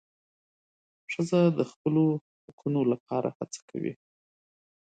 ښځه د خپلو حقونو لپاره هڅه کوي.